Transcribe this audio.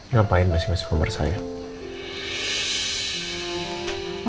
ngapain masih gak suka bersayang